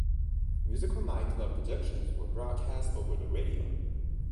Musical nightclub productions were broadcast over the radio.